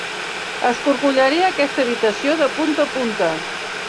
Escorcollaré aquesta habitació de punta a punta.